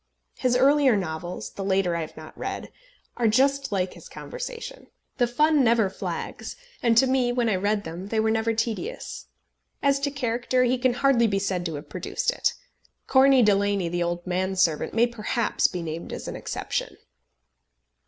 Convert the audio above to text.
His earlier novels the later I have not read are just like his conversation. The fun never flags, and to me, when I read them, they were never tedious. As to character he can hardly be said to have produced it. Corney Delaney, the old man servant, may perhaps be named as an exception.